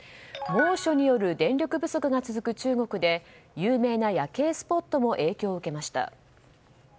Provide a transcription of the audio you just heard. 猛暑による電力不足が続く中国で有名な夜景スポットも影響を受けました。